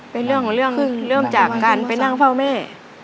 เป็นเรื่องเริ่มจากการไปนั่งเฝ้าแม่